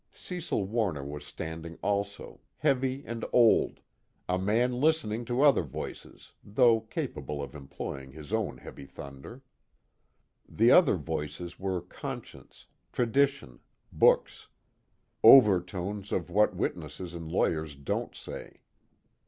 Cecil Warner was standing also, heavy and old, a man listening to other voices though capable of employing his own heavy thunder. The other voices were conscience, tradition, books; overtones of what witnesses and lawyers don't say.